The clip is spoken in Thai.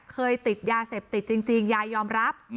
เคยติดยาเสพติดจริงยายยอมรับ